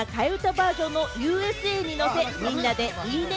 バージョンの『Ｕ．Ｓ．Ａ．』にのせ、みんなで、いいね